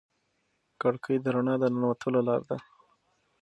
کړکۍ د رڼا د ننوتلو لار ده.